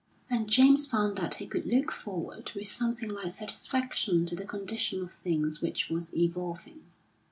And James found that he could look forward with something like satisfaction to the condition of things which was evolving.